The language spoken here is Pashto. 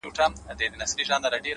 • چي به د اور له پاسه اور راځي,